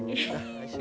ini mas robin ya